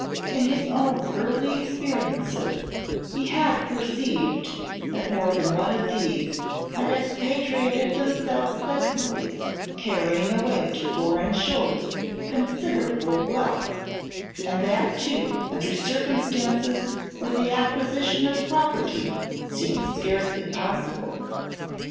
In his own early experiences he had perceived that more than one of these had expatriated themselves suddenly, carrying away to foreign shores considerable wealth, and, that, too, under circumstances where the acquisition of property seemed scarcely possible.